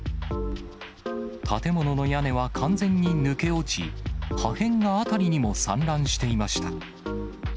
建物の屋根は完全に抜け落ち、破片が辺りにも散乱していました。